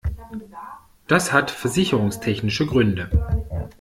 Das hat versicherungstechnische Gründe.